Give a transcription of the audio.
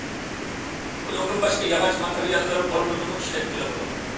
بۇنىڭدىن باشقا، ياغاچ ماتېرىياللىرى ئورنىدىمۇ ئىشلەتكىلى بولىدۇ.